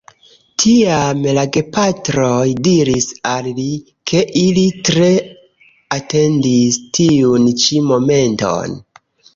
Tiam la gepatroj diris al li, ke ili tre atendis tiun ĉi momenton.